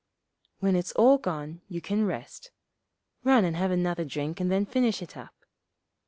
When it's all gone you can rest; run and have another drink and then finish it up.'